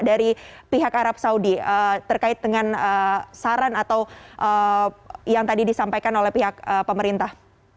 dari pihak arab saudi terkait dengan saran atau yang tadi disampaikan oleh pihak pemerintah